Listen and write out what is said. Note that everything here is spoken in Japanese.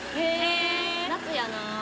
夏やな。